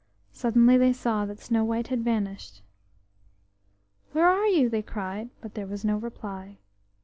Suddenly they saw that Snow white had vanished. "Where are you?" they cried, but there was no reply.